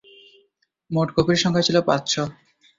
মোট কপির সংখ্যা ছিল পাঁচশ।